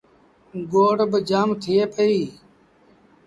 گوڙ باجآم ٿئي پئيٚ۔